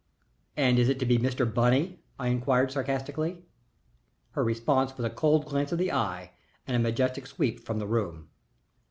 "And is it to be Mr. Bunny?" I inquired, sarcastically. Her response was a cold glance of the eye and a majestic sweep from the room.